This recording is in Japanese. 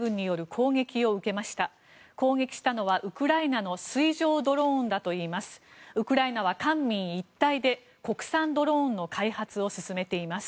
攻撃したのはウクライナの水上ドローンだといいます。